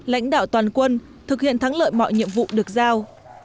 lãnh đạo toàn quân thực hiện thắng lợi mọi nhiệm vụ được giao